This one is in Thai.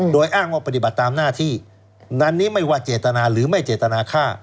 โดยอ้างว่าปฏิบัติตามหน้าที่นั้นนี้ไม่ว่าเจตนาหรือไม่เจตนาฆ่า